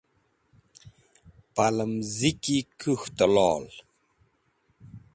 Palẽm ziki kũkhte lol.